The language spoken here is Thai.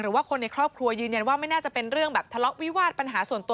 หรือว่าคนในครอบครัวยืนยันว่าไม่น่าจะเป็นเรื่องแบบทะเลาะวิวาสปัญหาส่วนตัว